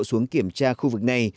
xuống kiểm tra khu vực này